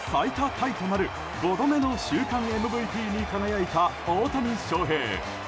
タイとなる５度目の週間ＭＶＰに輝いた大谷翔平。